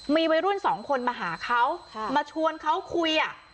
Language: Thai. มีวัยรุ่นสองคนมาหาเขามาชวนเขาคุยอ่ะ